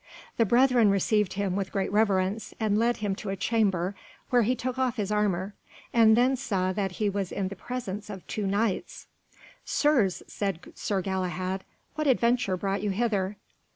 The brethren received him with great reverence, and led him to a chamber, where he took off his armour, and then saw that he was in the presence of two Knights. "Sirs," said Sir Galahad, "what adventure brought you hither?"